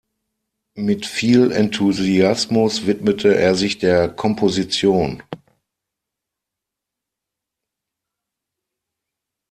Mit viel Enthusiasmus widmete er sich der Komposition.